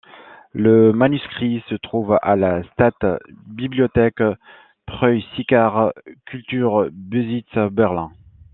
Le manuscrit se trouve à la Staatsbibliothek Preußischer Kulturbesitz Berlin.